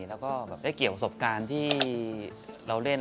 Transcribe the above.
แล้วก็ได้เกี่ยวประสบการณ์ที่เราเล่น